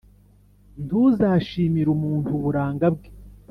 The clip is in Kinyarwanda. Ntuzashimire umuntu uburanga bwe,